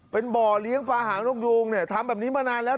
เป็นบ่อเลี้ยงปลาหางนกยูงเนี่ยทำแบบนี้มานานแล้ว